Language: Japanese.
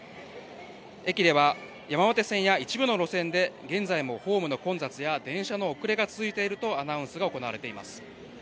駅では山手線や一部の路線で現在もホームの混雑や電車の遅れが続いているとアナウンスが行われています。